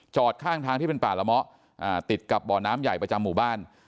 ข้างทางที่เป็นป่าละเมาะติดกับบ่อน้ำใหญ่ประจำหมู่บ้าน